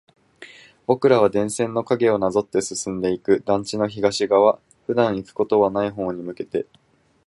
僕らは電線の影をなぞって進んでいく。団地の東側、普段行くことはない方に向けて。